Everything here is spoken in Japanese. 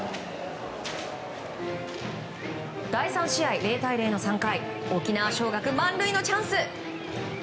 第３試合、０対０の３回沖縄尚学、満塁のチャンス。